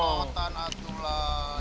aduh atuh lah